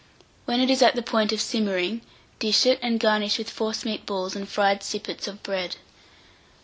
When it is at the point of simmering, dish it, and garnish with forcemeat balls and fried sippets of bread.